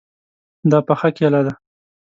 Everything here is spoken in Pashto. دا پخه کیله ده